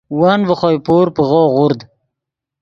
ون ڤے خوئے پور پیغو غورد